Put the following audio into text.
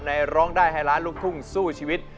ร้องได้ให้ล้านลูกทุ่งสู้ชีวิต